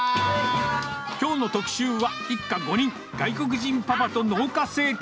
きょうの特集は、一家５人、外国人パパと農家生活。